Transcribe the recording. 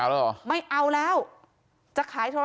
ความปลอดภัยของนายอภิรักษ์และครอบครัวด้วยซ้ำ